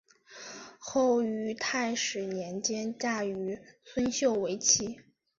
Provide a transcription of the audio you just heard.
后于泰始年间嫁于孙秀为妻。